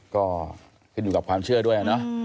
ก็ขึ้นอยู่กับความเชื่อด้วยนะ